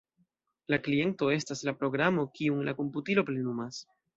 La kliento estas la programo, kiun la komputilo plenumas.